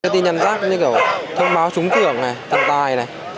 tin nhắn rác như thông báo trúng thưởng tàng tài